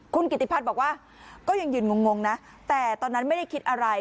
คุณกิติพัฒน์บอกว่าก็ยังยืนงงนะแต่ตอนนั้นไม่ได้คิดอะไร